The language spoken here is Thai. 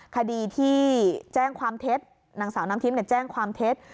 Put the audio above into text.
คดีที่นางสาวน้ำทิปแจ้งความเท็จ